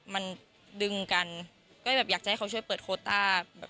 มันดึงกันก็แบบอยากจะให้เขาช่วยเปิดโคต้าแบบ